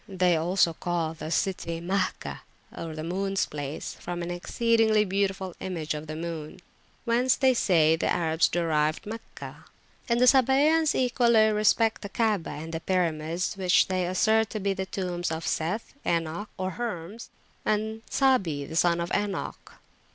They also call the city Mahgah moons placefrom an exceedingly beautiful image of the moon; whence they say the Arabs derived Meccah. And the Sabaeans equally respect the Kaabah and the pyramids, which they assert to be the tombs of Seth, Enoch (or Hermes), and Sabi the son of Enoch.